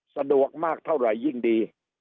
สะดวกมากเท่าไหร่ยิ่งดี